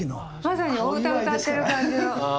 まさにお歌歌ってる感じの。